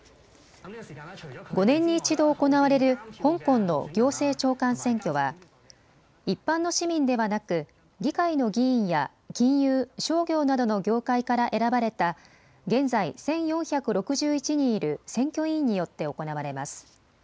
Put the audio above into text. ５年に１度行われる香港の行政長官選挙は一般の市民ではなく議会の議員や金融、商業などの業界から選ばれた現在１４６１人いる選挙委員によって行われます。